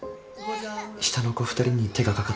下の子２人に手がかかって